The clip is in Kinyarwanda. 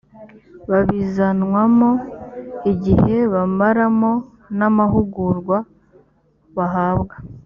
babizanwamo igihe bamaramo n amahugurwa bahabwa